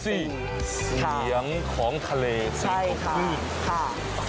เสียงของทะเลเสียงของพืช